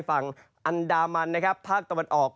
ฝั่งอันดามันนะครับภาคตะวันออก